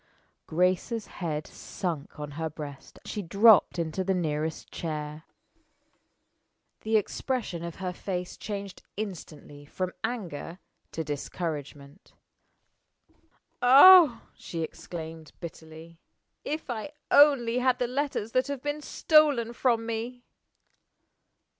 Grace's head sunk on her breast; she dropped into the nearest chair. The expression of her face changed instantly from anger to discouragement. "Ah," she exclaimed, bitterly, "if I only had the letters that have been stolen from me!"